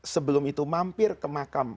sebelum itu mampir ke makam